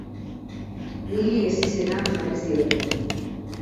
Willy ezizena jarri zioten.